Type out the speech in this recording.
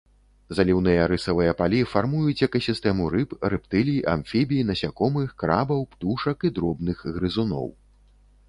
Заліўныя рысавыя палі фармуюць экасістэму рыб, рэптылій, амфібій, насякомых, крабаў, птушак і дробных грызуноў.